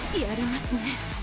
やりますね！